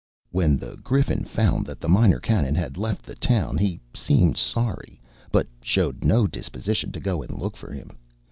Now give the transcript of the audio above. When the Griffin found that the Minor Canon had left the town he seemed sorry, but showed no disposition to go and look for him.